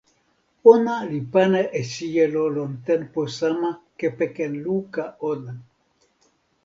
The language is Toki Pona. ona li pana e sijelo lon tenpo sama kepeken luka ona.